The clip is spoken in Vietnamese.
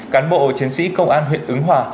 cán bộ chiến sĩ công an huyện ứng hòa